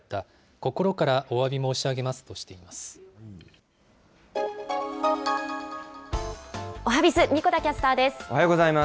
心からおわび申し上げますとしておはＢｉｚ、神子田キャスタおはようございます。